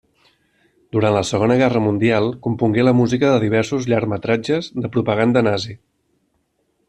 Durant la Segona Guerra Mundial, compongué la música de diversos llargmetratges de propaganda nazi.